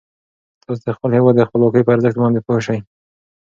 تاسو د خپل هیواد د خپلواکۍ په ارزښت باندې پوه شئ.